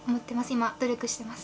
今努力してます。